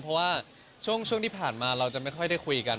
เพราะว่าช่วงที่ผ่านมาเราจะไม่ค่อยได้คุยกัน